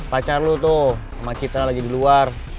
pacar lu tuh sama citra lagi di luar